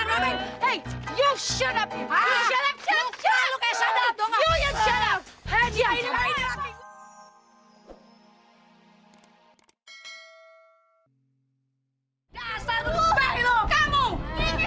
lagian ya ternyata lagi